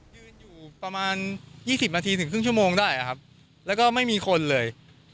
ยืนอยู่ประมาณ๒๐นาทีถึงครึ่งชั่วโมงได้ครับแล้วก็ไม่มีคนเลย